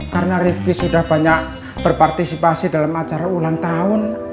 karena ripki sudah banyak berpartisipasi dalam acara ulang tahun